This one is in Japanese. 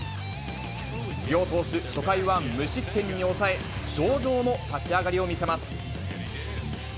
両投手、初回は無失点に抑え、上々の立ち上がりを見せます。